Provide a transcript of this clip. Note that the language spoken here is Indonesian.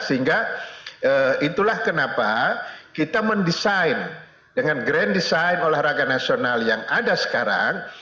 sehingga itulah kenapa kita mendesain dengan grand design olahraga nasional yang ada sekarang